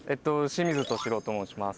清水俊朗と申します。